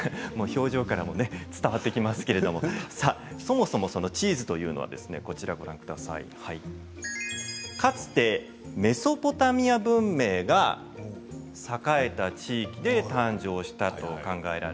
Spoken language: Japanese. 表情からも伝わってきますけれどもそもそもチーズというのはかつてメソポタミア文明が栄えた地域で誕生したと古代文明ね。